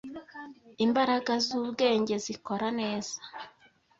imbaraga z’ubwenge zikora neza